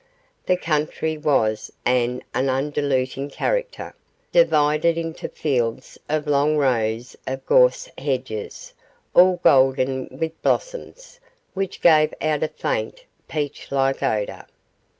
The country was of an undulating character, divided into fields by long rows of gorse hedges, all golden with blossoms, which gave out a faint, peach like odour.